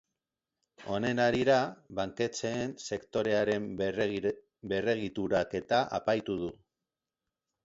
Honen harira, banketxeen sektorearen berregituraketa aipatu du.